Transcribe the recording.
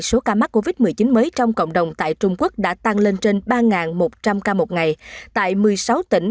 số ca mắc covid một mươi chín mới trong cộng đồng tại trung quốc đã tăng lên trên ba một trăm linh ca một ngày tại một mươi sáu tỉnh